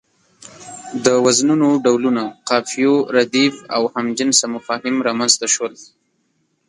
د وزنونو ډولونه، قافيو، رديف او هم جنسه مفاهيم رامنځ ته شول.